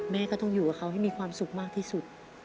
แม่ก็ต้องอยู่กับเขาให้มีความสุขมากที่สุด